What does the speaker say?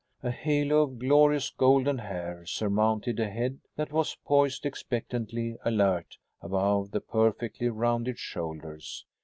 A halo of glorious golden hair surmounted a head that was poised expectantly alert above the perfectly rounded shoulders.